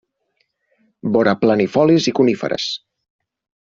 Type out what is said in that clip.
Vora planifolis i coníferes.